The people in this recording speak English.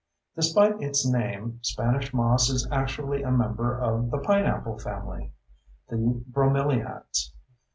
Despite its name, Spanish moss is actually a member of the pineapple family—the bromeliads.